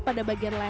pada bagian belakang